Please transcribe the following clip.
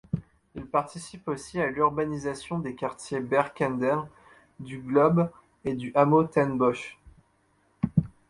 Il participe aussi à l’urbanisation des quartiers Berkendael, du Globe et du hameau Tenbosch.